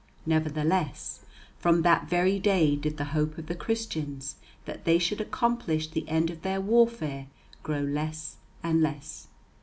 Nevertheless, from that very day did the hope of the Christians that they should accomplish the end of their warfare grow less and less.